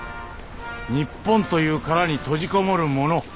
日本という殻に閉じこもる者。